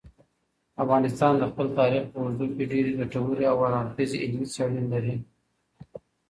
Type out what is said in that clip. افغانستان د خپل تاریخ په اړه ډېرې ګټورې او هر اړخیزې علمي څېړنې لري.